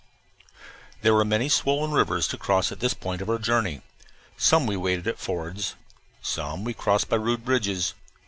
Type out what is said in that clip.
There were many swollen rivers to cross at this point of our journey. Some we waded at fords. Some we crossed by rude bridges.